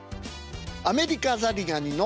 アメリカザリガニの漫才。